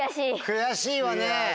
悔しいね。